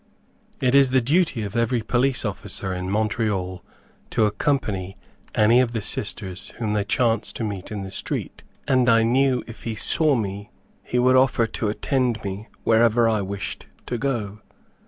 It is the duty of every police officer in Montreal to accompany any of the sisters whom they chance to meet in the street, and I knew if he saw me he would offer to attend me wherever I wished to go.